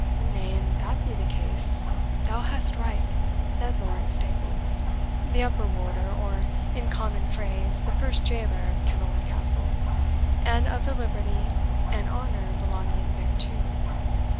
"Nay, an that be the case, thou hast right," said Lawrence Staples, the upper warder, or, in common phrase, the first jailer, of Kenilworth Castle, and of the Liberty and Honour belonging thereto.